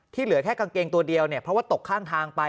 เหลือแค่กางเกงตัวเดียวเนี่ยเพราะว่าตกข้างทางไป